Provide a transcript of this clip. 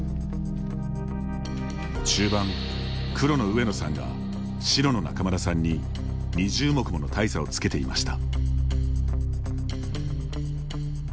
中盤、黒の上野さんが白の仲邑さんに２０目もの大差をつけていました。